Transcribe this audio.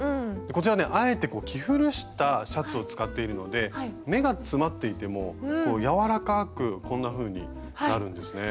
こちらねあえて着古したシャツを使っているので目が詰まっていても柔らかくこんなふうになるんですね。